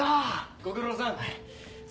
ご苦労さん。